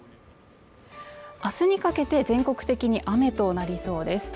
明日にかけて全国的に雨となりそうです